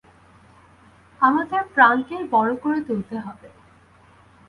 আমাদের প্রাণকেই বড়ো করে তুলতে হবে।